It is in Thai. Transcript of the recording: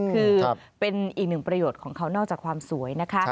คือเป็นอีกหนึ่งประโยชน์ของเขานอกจากความสวยนะคะ